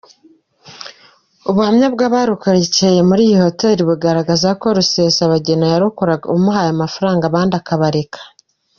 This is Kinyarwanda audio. Ubuhamya bw’ abarokokeye muri iyi hoteli bugaragaza ko Rusesabagina yarokoraga umuhaye amafaranga abandi akabareka.